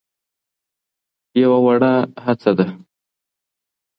يوه وړه هڅه ده.